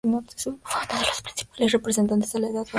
Fue uno de los principales representantes de la Edad de Oro danesa.